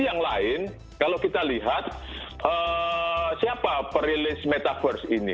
yang lain kalau kita lihat siapa perilis metaverse ini